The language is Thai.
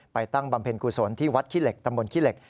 ตั้งบำเพ็ญกุศลที่วัดขี้เหล็กตำบลขี้เหล็ก